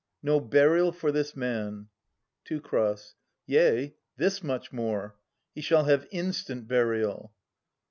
No burial for this man ! Teu. Yea, this much more. He shall have instant burial.